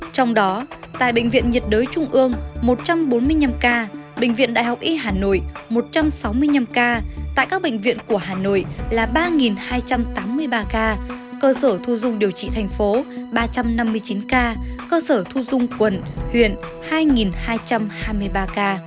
trong đó tại bệnh viện nhiệt đới trung ương một trăm bốn mươi năm ca bệnh viện đại học y hà nội một trăm sáu mươi năm ca tại các bệnh viện của hà nội là ba hai trăm tám mươi ba ca cơ sở thu dung điều trị thành phố ba trăm năm mươi chín ca cơ sở thu dung quận huyện hai hai trăm hai mươi ba ca